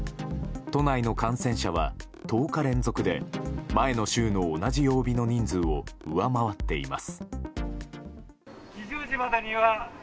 都内の感染者は１０日連続で前の週の同じ曜日の人数を上回っています。